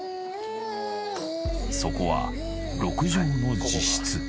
そこは６畳の自室。